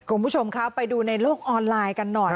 คุณผู้ชมคะไปดูในโลกออนไลน์กันหน่อย